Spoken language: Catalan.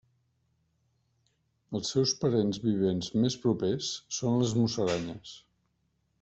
Els seus parents vivents més propers són les musaranyes.